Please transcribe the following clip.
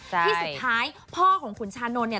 ที่สุดท้ายพ่อของขุนชานนท์เนี่ย